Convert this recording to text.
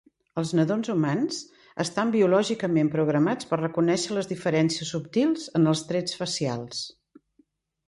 Els nadons humans estan biològicament programats per reconèixer les diferències subtils en els trets facials.